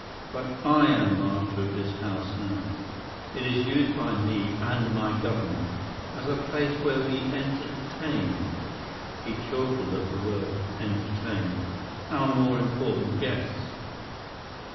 But I am master of this house now. It is used by me and my government as a place where we entertain—" he chortled at the word "entertain"—"our more important guests.